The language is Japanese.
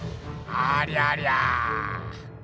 ありゃりゃ。